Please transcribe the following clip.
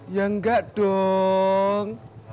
ya enggak dong